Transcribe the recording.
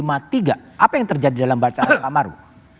apa yang terjadi dalam bacaan pak maru